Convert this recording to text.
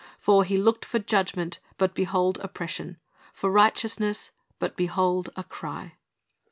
For ... He looked for judgment, but behold oppression; for righteousness, but behold a cry."